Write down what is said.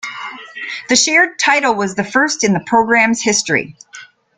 The shared title was the first in the program's history.